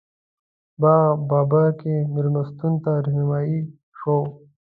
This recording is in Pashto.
باغ بابر کې مېلمستون ته رهنمایي شوو.